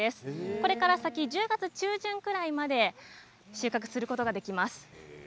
これから先１０月中旬くらいまで収穫することができます。